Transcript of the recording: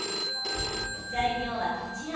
材料は、こちら。